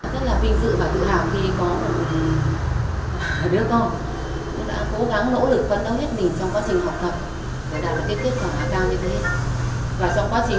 rất là vinh dự và tự hào khi có một đứa con đã cố gắng nỗ lực vấn đấu hết mình trong quá trình học tập